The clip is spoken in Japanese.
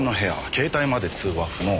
携帯まで通話不能。